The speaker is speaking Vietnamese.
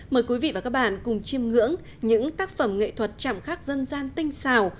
mời quý vị và các bạn cùng chiêm ngưỡng những tác phẩm nghệ thuật chạm khắc dân gian tinh xào